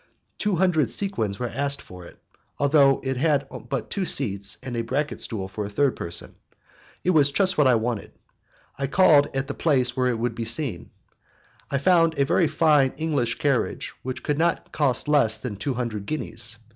Two hundred sequins were asked for it, although it had but two seats and a bracket stool for a third person. It was just what I wanted. I called at the place where it would be seen. I found a very fine English carriage which could not have cost less than two hundred guineas.